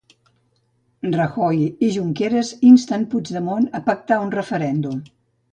Rajoy i Junqueres insten Puigdemont a pactar un referèndum.